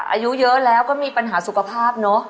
อายุเยอะแล้วก็มีปัญหาสุขภาพเนอะ